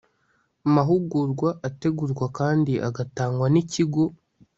mahugurwa ategurwa kandi agatangwa n ikigo